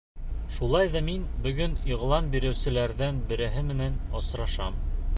Шулай ҙа мин бөгөн иғлан биреүселәрҙең береһе менән осрашам.